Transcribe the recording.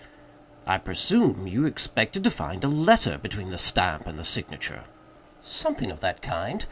"I presume you expected to find a letter between the stamp and the signature." "Something of that kind.